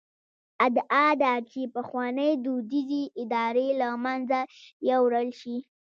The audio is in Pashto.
ادعا ده چې پخوانۍ دودیزې ادارې له منځه یووړل شي.